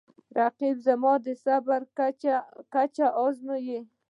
رقیب زما د صبر کچه ازموي